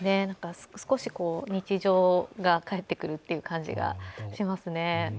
少し日常が帰ってくるという感じがしますね。